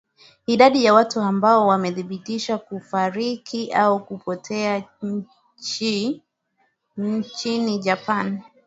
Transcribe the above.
idadi ya watu ambao wamethibitika kufariki au kupotea chi nchini japan